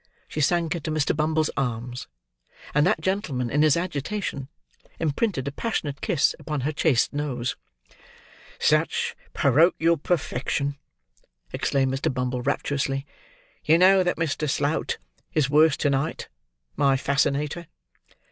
She sank into Mr. Bumble's arms; and that gentleman in his agitation, imprinted a passionate kiss upon her chaste nose. "Such porochial perfection!" exclaimed Mr. Bumble, rapturously. "You know that Mr. Slout is worse to night, my fascinator?"